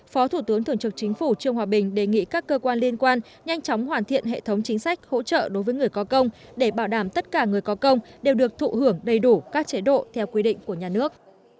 phó thủ tướng thường trực chính phủ trương hòa bình đề nghị các cơ quan liên quan nhanh chóng hoàn thiện hệ thống chính sách hỗ trợ đối với người có công để bảo đảm tất cả người có công đều được thụ hưởng đầy đủ các chế độ theo quy định của nhà nước